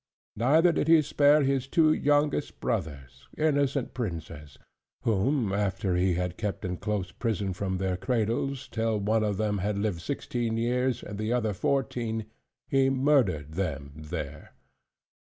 Neither did he spare his two youngest brothers, innocent princes: whom after he had kept in close prison from their cradles, till one of them had lived sixteen years, and the other fourteen, he murdered them there.